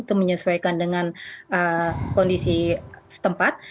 itu menyesuaikan dengan kondisi setempat